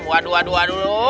buat dua dua dulu